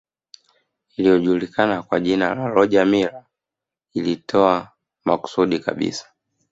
Iliyojulikana kwa jina la Roger Milla iliitoa makusudi kabisa